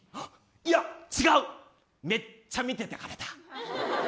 いや違うめっちゃ見てたからだ。